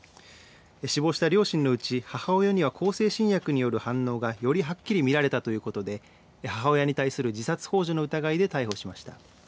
死亡した両親のうち、母親には向精神薬による反応がよりはっきり見られたということで母親に対する自殺ほう助の疑いで逮捕しました。